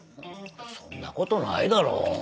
そんなことないだろ？